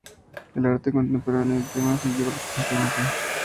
En el arte contemporáneo el tema siguió representándose.